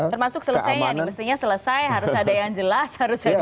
termasuk selesainya nih mestinya selesai harus ada yang jelas